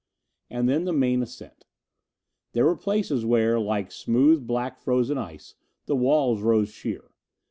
And then the main ascent. There were places where, like smooth black frozen ice, the walls rose sheer.